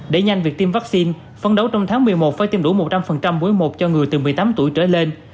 để nhanh việc tiêm vaccine phấn đấu trong tháng một mươi một phải tiêm đủ một trăm linh buổi một cho người từ một mươi tám tuổi trở lên